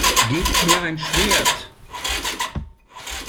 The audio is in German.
Gebt mir ein Schwert!